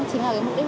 đó chính là mục đích